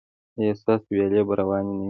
ایا ستاسو ویالې به روانې نه وي؟